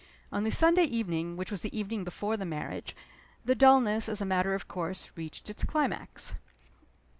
On the Sunday evening which was the evening before the marriage the dullness, as a matter of course, reached its climax.